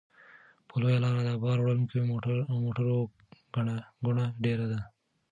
په لویه لاره د بار وړونکو موټرو ګڼه ګوڼه ډېره ده.